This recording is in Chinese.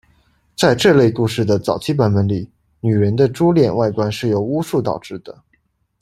在这类故事的早期版本里，女人的猪脸外观是由巫术导致的。